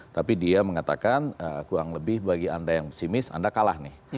tapi dia mengatakan kurang lebih bagi anda yang pesimis anda kalah nih